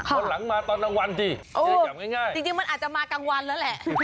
วันหลังมาตอนกลางวันสิจับง่ายจริงมันอาจจะมากลางวันแล้วแหละ